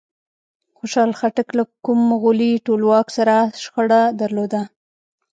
خوشحال خټک له کوم مغولي ټولواک سره شخړه درلوده؟